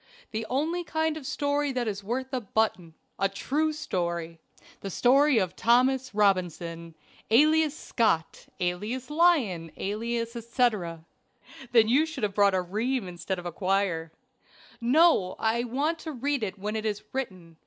"The only kind of story that is worth a button a true story the story of Thomas Robinson, alias Scott, alias Lyon, alias etc." "Then you should have brought a ream instead of a quire." "No! I want to read it when it is written.